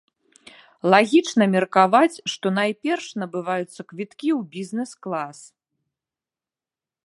Лагічна меркаваць, што найперш набываюцца квіткі ў бізнес-клас.